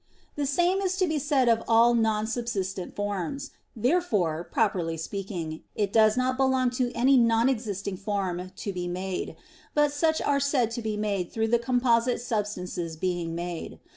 The same is to be said of all non subsistent forms. Therefore, properly speaking, it does not belong to any non existing form to be made; but such are said to be made through the composite substances being made.